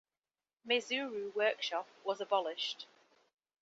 Maizuru workshop was abolished.